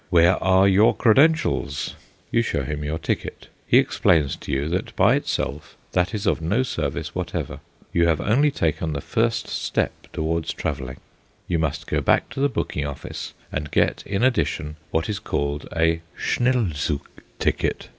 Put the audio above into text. Where are your credentials? You show him your ticket. He explains to you that by itself that is of no service whatever; you have only taken the first step towards travelling; you must go back to the booking office and get in addition what is called a "schnellzug ticket."